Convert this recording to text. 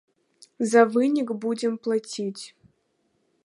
За вынік будзем плаціць.